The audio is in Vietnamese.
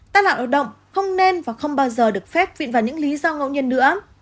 tăng lạc lao động không nên và không bao giờ được phép viện vào những lý do ngẫu nhiên nữa